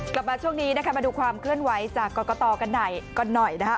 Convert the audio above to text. กลับมาช่วงนี้นะคะมาดูความเคลื่อนไหวจากกรกตกันหน่อยก่อนหน่อยนะคะ